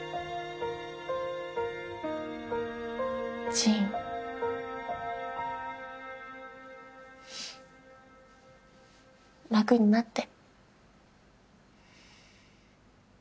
ジン楽になって。